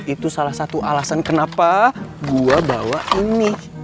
itu salah satu alasan kenapa gue bawa ini